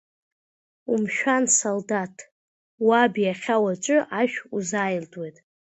Умшәан, Салдаҭ, уаб иахьа-уаҵәы ашә узааиртуеит…